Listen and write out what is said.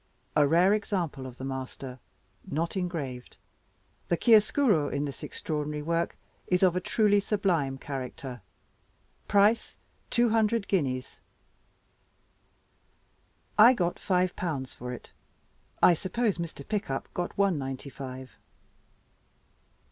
A rare example of the master. Not engraved. The chiar'oscuro in this extraordinary work is of a truly sublime character. Price, Two Hundred Guineas." I got five pounds for it. I suppose Mr. Pickup got one ninety five.